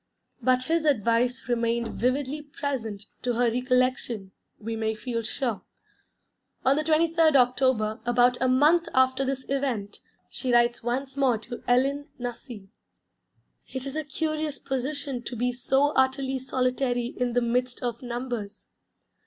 _ But his advice remained vividly present to her recollection we may feel sure. On the 23rd October, about a month after this event, she writes once more to Ellen Nussey: 'It is a curious position to be so utterly solitary in the midst of numbers.